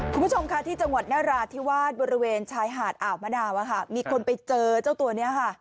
คุณผู้ชมค่ะที่จังหวัดนราธิวาสบริเวณชายหาดอ่าวมะนาวมีคนไปเจอเจ้าตัวนี้ค่ะ